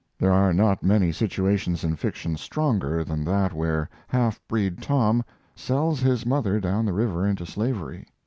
There are not many situations in fiction stronger than that where half breed Tom sells his mother down the river into slavery.